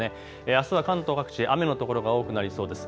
あすは関東各地で雨の所が多くなりそうです。